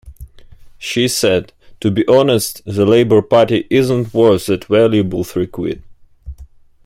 She said: To be honest, the Labour Party isn't worth that valuable three quid.